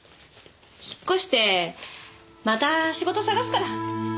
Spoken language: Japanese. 引っ越してまた仕事探すから。